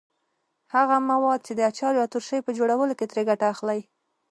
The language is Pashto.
هغه مواد چې د اچار یا ترشۍ په جوړولو کې ترې ګټه اخلئ.